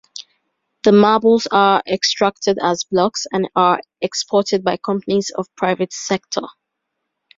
The marbles are extracted as blocks and are exported by companies of private sector.